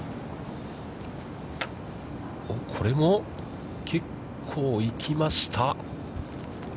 これも、結構行きました。